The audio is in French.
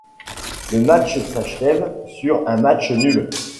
Le match s'achève sur un match nul.